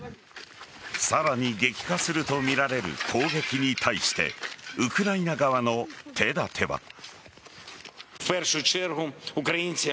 さらに激化するとみられる攻撃に対してウクライナ側の手だては。